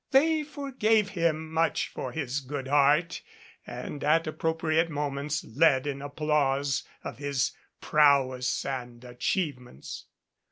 They forgave him much for his good heart and at appro priate moments led in applause of his prowess and achievements.